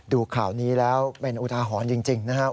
ดูข่าวนี้แล้วเป็นอุทาหรณ์จริงนะครับ